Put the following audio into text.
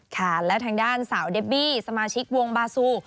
ค่ะแล้วทางด้านสาวเดบบี้สมาชิกวงบาซู